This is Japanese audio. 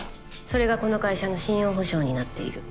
それがこの会社の信用保証になっている。